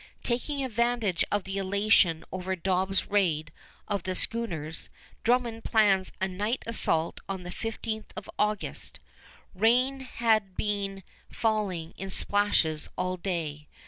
Taking advantage of the elation over Dobbs' raid on the schooners, Drummond plans a night assault on the 15th of August. Rain had been falling in splashes all day.